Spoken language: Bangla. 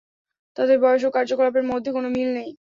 তাদের বয়স ও কার্যকলাপের মধ্যে কোনো মিল নেই।